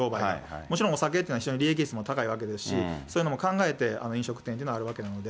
もちろんお酒というのは、非常に利益率も高いわけですし、そういうことも考えて、飲食店というのはあるわけなんで。